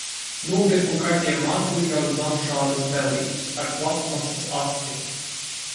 Nopirku kaķiem mākslīgās zamšādas pelītes ar plastmasas asti.